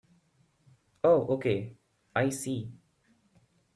Oh okay, I see.